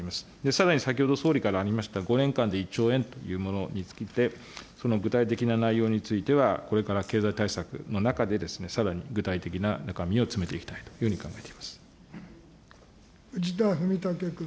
さらに先ほど、総理からありました５年間で１兆円という、具体的な内容については、これから経済対策の中でさらに具体的な中身を詰めていきたいとい藤田文武君。